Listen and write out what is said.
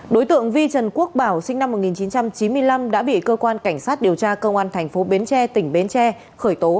đối tượng vi trần quốc bảo sinh năm một nghìn chín trăm chín mươi năm đã bị cơ quan cảnh sát điều tra công an thành phố bến tre tỉnh bến tre khởi tố